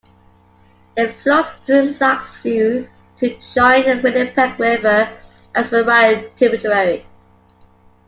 It flows through Lac Seul to join the Winnipeg River as a right tributary.